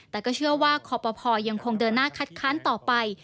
แต่ก็เชื่อว่าคอปภยังคงเดินหน้าคัดค้านต่อไป